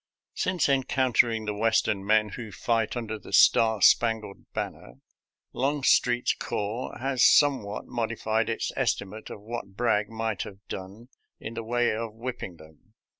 Since encountering the Western men who fight under the " star spangled banner," Longstreet's corps has somewhat modified its estimate of what Bragg " might have done " in the way of whip ping them.